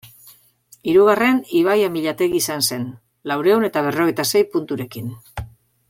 Hirugarren, Ibai Amillategi izan zen, laurehun eta berrogeita sei punturekin.